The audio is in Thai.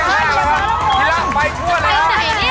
อันนี้ลากไปทั่วแล้ว